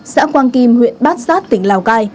xã quang kim huyện bát sát tỉnh lào cai